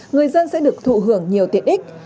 người dân sẽ được thụ hưởng nhiều tiện ích